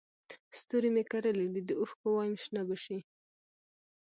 ستوري مې کرلي دي د اوښکو وایم شنه به شي